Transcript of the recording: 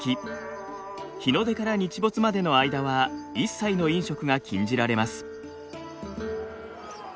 日の出から日没までの間は一切の飲食が禁じられます。